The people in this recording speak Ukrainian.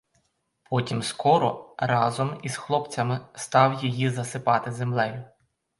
Потім скоро, разом із хлопцями, став її засипати землею.